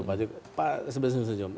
pak sby senyum senyum